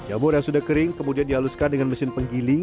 jamur yang sudah kering kemudian dihaluskan dengan mesin penggiling